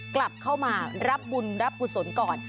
กลับเข้ามารับบุญรับกุศลก่อน